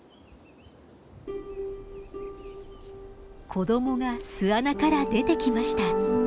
子供が巣穴から出てきました。